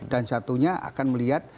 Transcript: dan satunya akan melihat